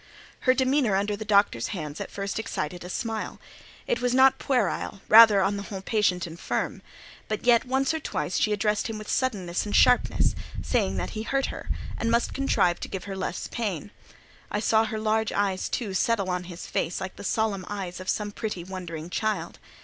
Her demeanour under the Doctor's hands at first excited a smile; it was not puerile—rather, on the whole, patient and firm—but yet, once or twice she addressed him with suddenness and sharpness, saying that he hurt her, and must contrive to give her less pain; I saw her large eyes, too, settle on his face like the solemn eyes of some pretty, wondering child.